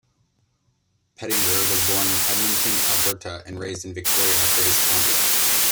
Pettinger was born in Edmonton, Alberta and raised in Victoria, British Columbia.